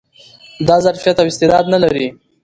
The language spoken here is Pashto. دا ظرفيت او استعداد نه لري